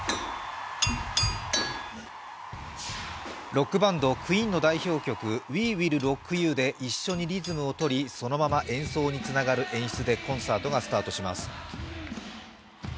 ロックバンド、ＱＵＥＥＮの代表曲「ＷｅＷｉｌｌＲｏｃｋＹｏｕ」で一緒にリズムを取り、そのまま演奏につながる演出でコンサートがスタートします。